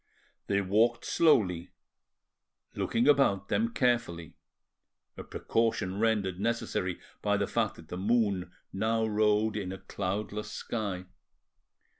They walked slowly, looking about them carefully, a precaution rendered necessary by the fact that the moon now rode in a cloudless sky.